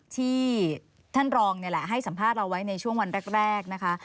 ที่ท่านรองนี่แหละให้สัมภาษณ์เราไว้ในช่วงวันแรกนะคะ